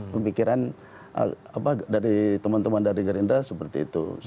pemikiran dari teman teman dari gerindra seperti itu